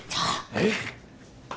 えっ？